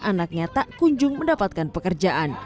anaknya tak kunjung mendapatkan pekerjaan